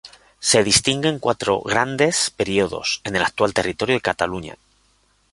Se distinguen cuatro grandes periodos en el actual territorio de Cataluña.